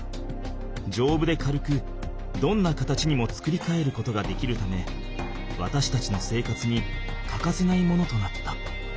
丈夫で軽くどんな形にも作り変えることができるためわたしたちの生活にかかせないものとなった。